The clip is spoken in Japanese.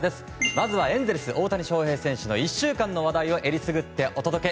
まずはエンゼルス、大谷翔平選手の１週間の話題をえりすぐってお届け。